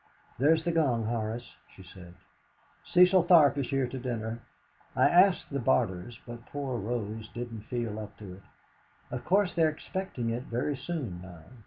"There's the gong, Horace," she said. "Cecil Tharp is here to dinner. I asked the Barters, but poor Rose didn't feel up to it. Of course they are expecting it very soon now.